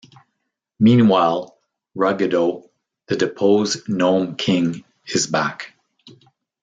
Meanwhile, Ruggedo, the deposed Gnome King, is back.